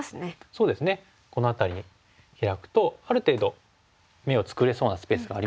そうですねこの辺りにヒラくとある程度眼を作れそうなスペースがありますよね。